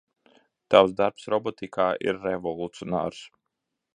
Tavs darbs robotikā ir revolucionārs.